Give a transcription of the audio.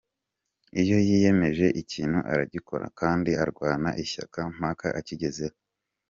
Iyo yiyemeje ikintu aragikora kandi arwana ishyaka mpaka akigezeho.